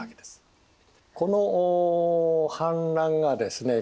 この反乱がですね